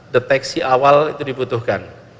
deteksi awal itu dibutuhkan